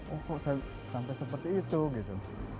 oh kok saya sampai seperti itu gitu